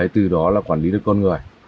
từ đó là quản lý được con người